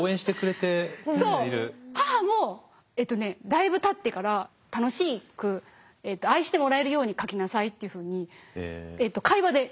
母もだいぶたってから「楽しく愛してもらえるように書きなさい」っていうふうに会話で言ってくれて。